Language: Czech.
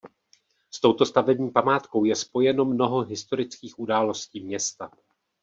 S touto stavební památkou je spojeno mnoho historických událostí města.